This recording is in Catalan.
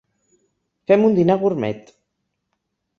Fem un dinar gurmet.